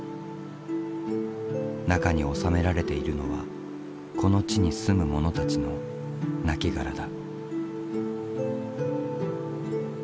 中に納められているのはこの地に住む者たちのなきがらだ。